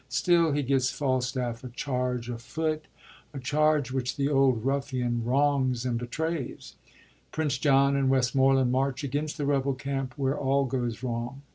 Still, he gets Falstaff a charge 93 HENRY IV., PARTS 1 ANV 2 of foot, a charge which the old ruffian wrongs and hetrays. Prince John and Westmoreland march against the rebel camp, where all goes wrong.